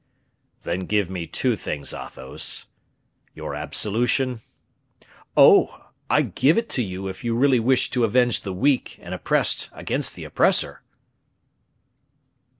"Then give me two things, Athos, your absolution." "Oh! I give it you if you really wished to avenge the weak and oppressed against the oppressor."